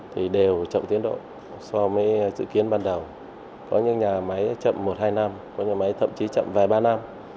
thì đều chậm tiến độ so với dự kiến ban đầu có những nhà máy chậm một hai năm có nhà máy thậm chí chậm vài ba năm